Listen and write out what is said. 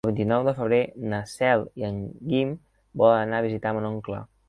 El vint-i-nou de febrer na Cel i en Guim volen anar a visitar mon oncle.